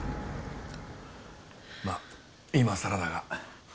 まあ今さらだが。